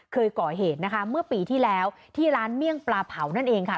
เคยก่อเหตุนะคะเมื่อปีที่แล้วที่ร้านเมี่ยงปลาเผานั่นเองค่ะ